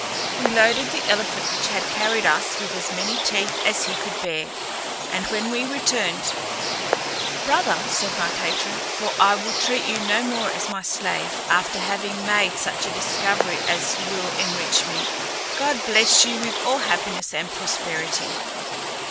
We loaded the elephant which had carried us with as many teeth as he could bear; and when we were returned, "Brother," said my patron, "for I will treat you no more as my slave, after having made such a discovery as will enrich me, God bless you with all happiness and prosperity.